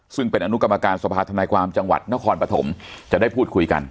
ซึ่งเป็นอนุกรรมการสภาธนาความจังหวัดนครปฐมจะได้พูดคุยกัน